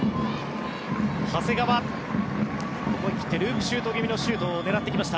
長谷川、思い切ってループシュート気味のシュートを狙ってきました。